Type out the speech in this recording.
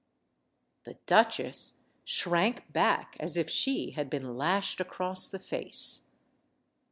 The duchesse shrank back as if she had been lashed across the face.